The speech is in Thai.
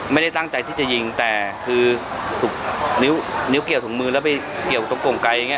ไม่ได้ตั้งใจที่จะยิงแต่คือถูกนิ้วเกี่ยวถุงมือแล้วไปเกี่ยวตรงก่งไกลอย่างนี้